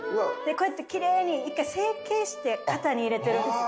こうやってきれいに１回成形して型に入れてるんです。